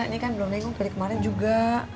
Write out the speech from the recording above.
ini kan belum nengong dari kemarin juga